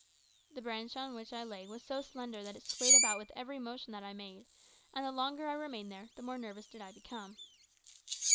The branch on which I lay was so slender that it swayed about with every motion that I made, and the longer I remained there the more nervous did I become.